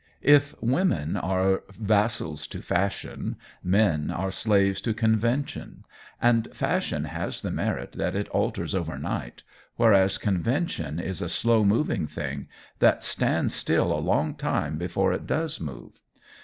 If women are vassals to fashion men are slaves to convention, and fashion has the merit that it alters overnight, whereas convention is a slow moving thing that stands still a long time before it does move.